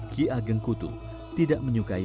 ki ageng kutu tidak menyukai